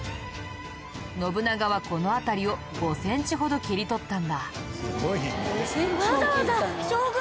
信長はこの辺りを５センチほど切り取ったんだ。